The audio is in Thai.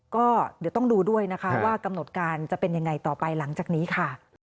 ก็เดี๋ยวต้องดูด้วยนะคะว่ากำหนดการจะเป็นยังไงต่อไปหลังจากนี้ค่ะ